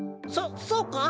そそうか？